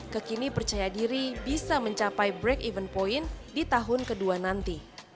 kekini percaya diri bisa mencapai break even point di tahun kedua nanti